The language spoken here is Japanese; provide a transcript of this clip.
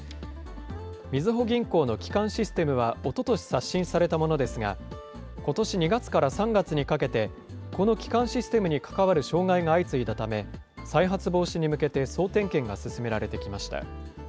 みずほ銀行の基幹システムは、おととし刷新されたものですが、ことし２月から３月にかけて、この基幹システムに関わる障害が相次いだため、再発防止に向けて総点検が進められてきました。